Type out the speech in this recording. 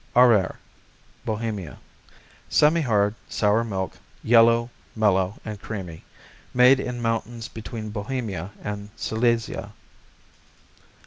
Arber Bohemia Semihard; sour milk; yellow; mellow and creamy. Made in mountains between Bohemia and Silesia.